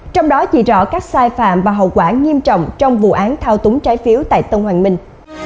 trong đó chỉ rõ các sai phạm và hậu quả nghiêm trọng trong vụ án thao túng trái phiếu tại tân hoàng minh